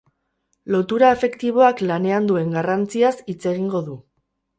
Lotura afektiboak lanean duen garrantziaz hitz egingo du.